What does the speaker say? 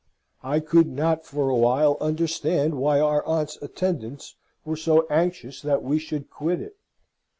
I could not for a while understand why our aunt's attendants were so anxious that we should quit it.